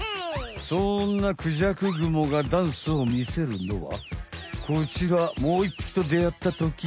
そんなクジャクグモがダンスをみせるのはこちらもう１ぴきとであったとき。